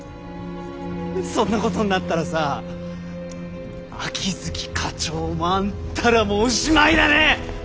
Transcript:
そんなことになったらさ秋月課長もあんたらもおしまいだね！